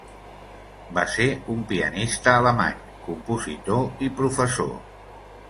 Va ser un pianista alemany, compositor i professor.